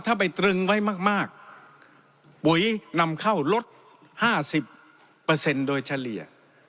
ถ้าไปตรึงไว้มากปุ๋ยนำเข้าลด๕๐โดยเฉลี่ย